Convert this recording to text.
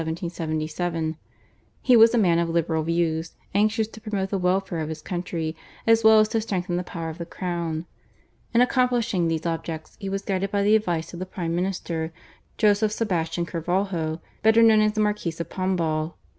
He was a man of liberal views, anxious to promote the welfare of his country, as well as to strengthen the power of the crown. In accomplishing these objects he was guided by the advice of the prime minister, Joseph Sebastian Carvalho, better known as the Marquis of Pombal.